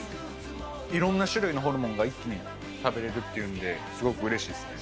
いろんな種類のホルモンが一気に食べれるっていうんで、すごくうれしいっすね。